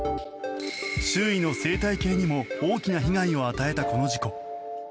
周囲の生態系にも大きな被害を与えたこの事故。